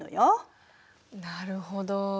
なるほど。